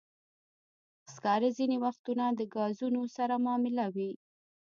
سکاره ځینې وختونه د ګازونو سره مله وي.